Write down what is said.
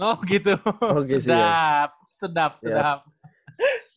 oh gitu sedap sedap sedap